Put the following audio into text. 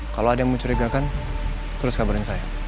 kalau ada yang mencurigakan terus kabarin saya